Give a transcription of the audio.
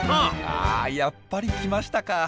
あやっぱり来ましたか。